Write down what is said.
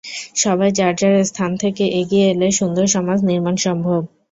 সবাই যার যার স্থান থেকে এগিয়ে এলে সুন্দর সমাজ নির্মাণ সম্ভব।